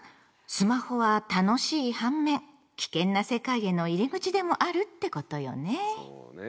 スマホは楽しい反面危険な世界への入り口でもあるってことよね。